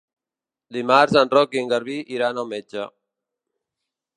Dimarts en Roc i en Garbí iran al metge.